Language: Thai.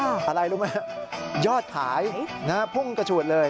อะไรรู้ไหมยอดขายพุ่งกระฉูดเลย